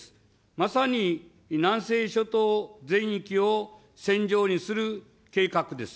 まさに南西諸島全域を戦場にする計画です。